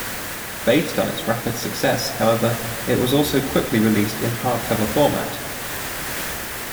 Based on its rapid success, however, it was also quickly released in hard-cover format.